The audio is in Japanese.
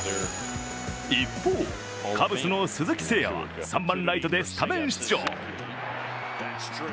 一方、カブスの鈴木誠也は３番ライトでスタメン出場。